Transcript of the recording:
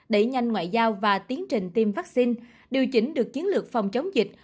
đẩy nhanh ngoại giao và tiến trình tiêm vaccine điều chỉnh được chiến lược phòng chống dịch